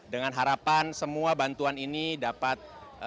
dengan harapan semua bantuan ini dapat